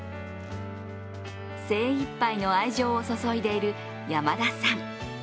精いっぱいの愛情を注いでいる山田さん。